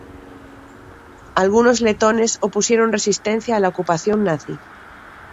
Algunos letones opusieron resistencia a la ocupación nazi.